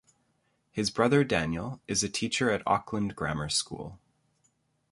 His brother Daniel is a teacher at Auckland Grammar School.